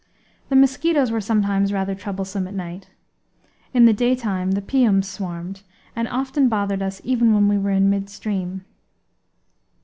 The mosquitoes were sometimes rather troublesome at night. In the daytime the piums swarmed, and often bothered us even when we were in midstream.